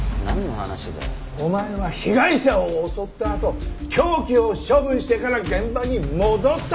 お前は被害者を襲ったあと凶器を処分してから現場に戻った。